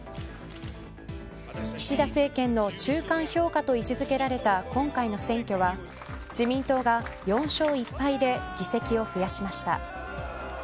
岸田政権の中間評価と位置付けられた今回の選挙は自民党が４勝１敗で議席を増やしました。